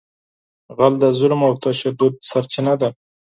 غل د ظلم او تشدد سرچینه ده